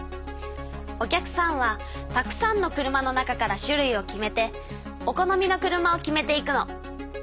お客さんはたくさんの車の中から種類を決めてお好みの車を決めていくの。